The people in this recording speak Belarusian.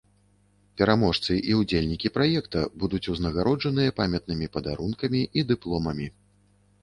Пераможцы і ўдзельнікі праекта будуць узнагароджаныя памятнымі падарункамі і дыпломамі.